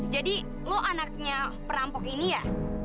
jadi lu anaknya perampok ini ya